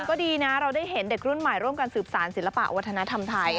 ก็ดีนะเราได้เห็นเด็กรุ่นใหม่ร่วมกันสืบสารศิลปะวัฒนธรรมไทย